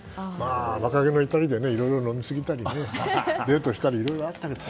若気の至りでいろいろ飲みすぎたりデートしたりいろいろあったけど。